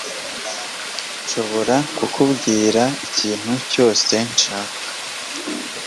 Ndashobora kukubwira ikintu cyose nshaka